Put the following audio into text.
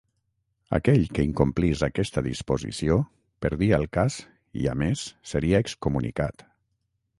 Aquell que incomplís aquesta disposició perdia el cas i a més seria excomunicat.